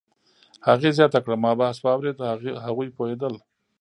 هغې زیاته کړه: "ما بحث واورېد، هغوی پوهېدل